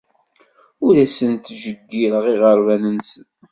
Ur asen-ttjeyyireɣ iɣerban-nsen.